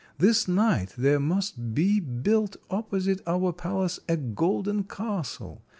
This night there must be built opposite our palace a golden castle.